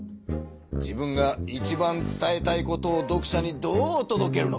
自分がいちばん伝えたいことを読者にどうとどけるのか。